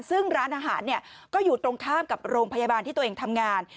ซึ่งร้านอาหารก็อยู่ตรงข้ามกับโรงพยาบาลที่ตัวเองทำงาน